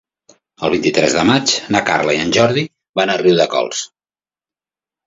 El vint-i-tres de maig na Carla i en Jordi van a Riudecols.